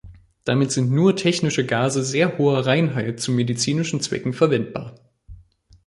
Damit sind nur technische Gase sehr hoher Reinheit zu medizinischen Zwecken verwendbar.